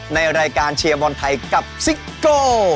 ในรายการเชียร์บอลไทยกับซิโก้